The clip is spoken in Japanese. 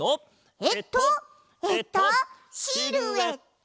えっとえっとシルエット！